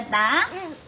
うん。